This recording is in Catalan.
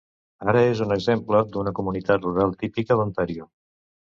Ara és un exemple d'una comunitat rural típica d'Ontario.